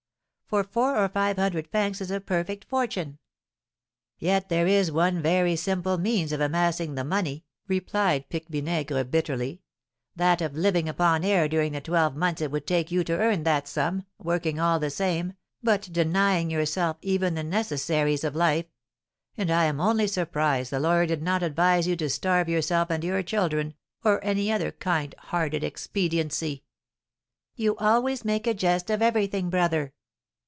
For four or five hundred francs is a perfect fortune." "Yet there is one very simple means of amassing the money," replied Pique Vinaigre, bitterly; "that of living upon air during the twelve months it would take you to earn that sum, working all the same, but denying yourself even the necessaries of life; and I am only surprised the lawyer did not advise you to starve yourself and your children, or any other kind hearted expediency." "You always make a jest of everything, brother!"